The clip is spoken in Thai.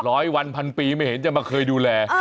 ร้อยวันพันปีไม่เห็นจะมาเคยดูแล